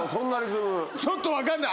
ちょっとわかんない。